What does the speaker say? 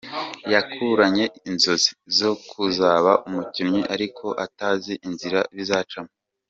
Yakuranye inzozi zo kuzaba umukinnyi ariko atazi inzira bizacamo.